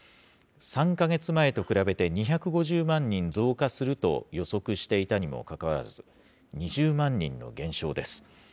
３か月前と比べて２５０万人増加すると予測していたにもかかわらず、２０万人の減少です。